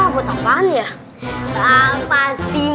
waalaikumsalam warahmatullahi wabarakatuh